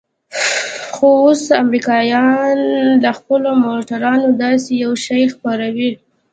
خو اوس امريکايان له خپلو موټرانو داسې يو شى خپروي.